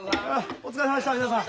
お疲れさまでした皆さん。